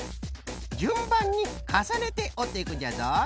じゅんばんにかさねておっていくんじゃぞい。